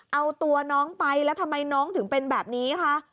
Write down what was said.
เอาตัวน้องไปแล้วทำไมน้องถึงเป็นแบบนี้คะ